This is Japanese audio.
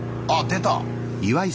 出た。